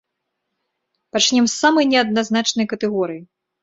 Пачнём з самай неадназначнай катэгорыі.